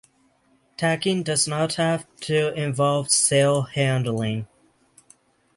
Tacking does not have to involve sail handling.